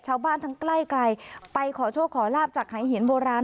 ชาวบ้านทั้งใกล้ไกลไปขอโชคขอลาบจากหายหินโบราณ